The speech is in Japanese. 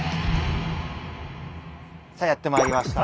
さあやってまいりました。